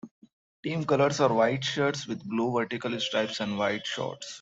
Team colours are white shirts with blue vertical stripes and white shorts.